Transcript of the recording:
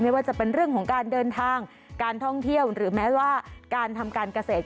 ไม่ว่าจะเป็นเรื่องของการเดินทางการท่องเที่ยวหรือแม้ว่าการทำการเกษตร